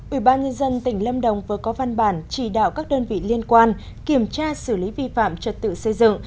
ủy ban nhân dân tỉnh lâm đồng vừa có văn bản chỉ đạo các đơn vị liên quan kiểm tra xử lý vi phạm trật tự xây dựng